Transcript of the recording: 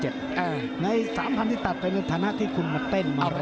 ที่ตัดไปในฐานะคุณมาเต้นมารอ